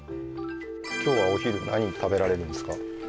今日はお昼何食べられるんですか？